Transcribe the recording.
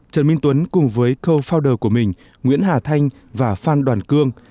trần minh tuấn cùng với co founder của mình nguyễn hà thanh và phan đoàn cương